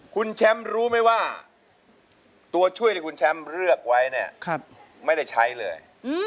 คุณแชมป์รู้ไหมว่าตัวช่วยที่คุณแชมป์เลือกไว้เนี่ยไม่ได้ใช้เลย